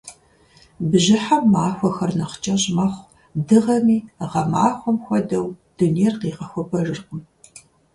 Бжьыхьэм махуэхэр нэхъ кӀэщӀ мэхъу, дыгъэми, гъэмахуэм хуэдэу, дунейр къигъэхуэбэжыркъым.